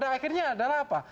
nah pada akhirnya adalah apa